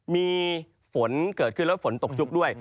มีฝนเกิดขึ้นแล้วฝนตกชุกด้วย